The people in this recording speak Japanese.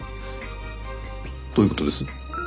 どういう事です？